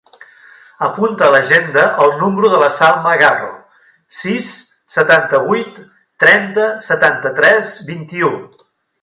Apunta a l'agenda el número de la Salma Garro: sis, setanta-vuit, trenta, setanta-tres, vint-i-u.